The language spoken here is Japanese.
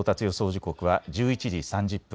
時刻は１１時３０分。